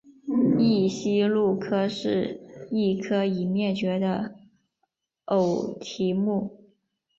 异鼷鹿科是一科已灭绝的偶蹄目。